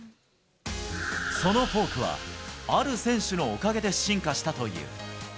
そのフォークは、ある選手のおかげで進化したという。